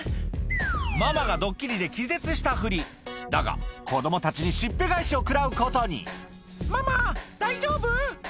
ママがドッキリで気絶したふりだが子供たちにしっぺ返しを食らうことに「ママ大丈夫？」